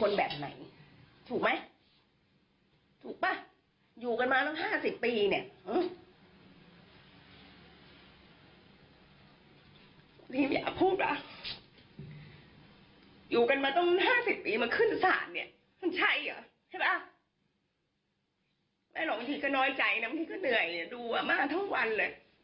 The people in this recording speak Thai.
แล้วไม่บางทีจะน้อยใจต้องเหนื่อยดูมากทั้งวันเลย